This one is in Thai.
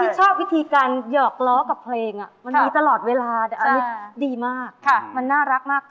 เยาะกล้อกับเพลงมันมีตลอดเวลาดีมากมันน่ารักมาก